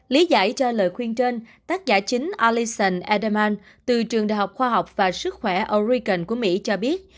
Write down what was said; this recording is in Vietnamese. lý giải cho lời khuyên trên tác giả chính allison edelman từ trường đại học khoa học và sức khỏe oregon của mỹ cho biết